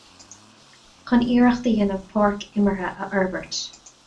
Chun iarracht a dhéanamh páirc imeartha a fhorbairt.